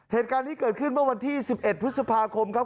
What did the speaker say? เหตุการณ์นี้เกิดขึ้นเมื่อวันที่๑๑พฤษภาคมครับ